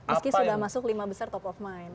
meski sudah masuk lima besar top of mind